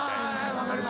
分かります。